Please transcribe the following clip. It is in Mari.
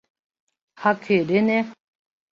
А кӧ дене?